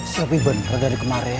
siapa bener dari kemarin